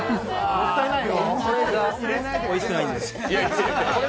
もったいないよ！